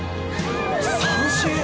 三振！